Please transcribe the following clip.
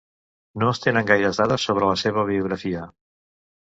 No es tenen gaires dades sobre la seva biografia.